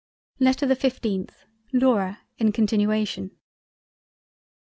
LETTER the 15th LAURA in continuation.